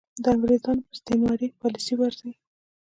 د انګرېزانو پر استعماري پالیسۍ ورځي.